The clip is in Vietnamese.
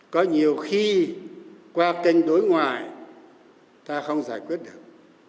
có nhiều khi qua kênh đối ngoại ta không giải quyết được